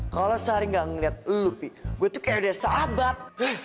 kalau sehari gak ngeliat lupi gue tuh kayak udah sahabat